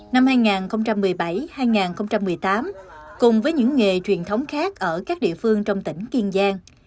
năm hai nghìn một mươi bảy hai nghìn một mươi tám cùng với những nghề truyền thống khác ở các địa phương trong tỉnh kiên giang